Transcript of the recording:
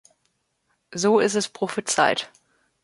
So ist es prophezeit.